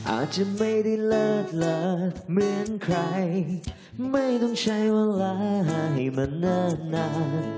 อาจจะไม่ได้เลิศเลิศเหมือนใครไม่ต้องใช้เวลาให้มานาน